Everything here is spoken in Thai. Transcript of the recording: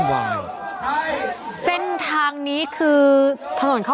แฮปปี้เบิร์สเจทู